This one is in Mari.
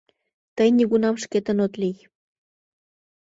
— Тый нигунам шкетын от лий.